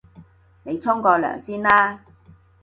你沖個涼先啦